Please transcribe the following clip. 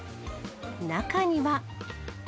中には。